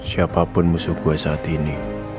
siapapun musuh gue saat ini